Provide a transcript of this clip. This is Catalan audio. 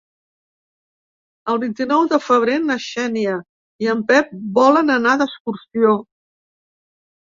El vint-i-nou de febrer na Xènia i en Pep volen anar d'excursió.